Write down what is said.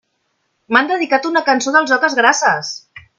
M'han dedicat una cançó dels Oques Grasses!